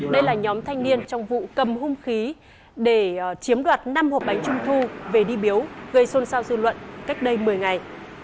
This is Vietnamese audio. đây là nhóm thanh niên trong vụ cầm hung khí để chiếm đoạt năm hộp bánh trung thu về đi biếu gây xôn xao dư luận cách đây một mươi ngày